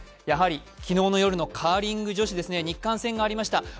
やはり昨日の夜のカーリング女子ですね、日韓戦がありました。